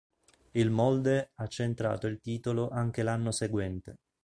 Il Molde ha centrato il titolo anche l'anno seguente.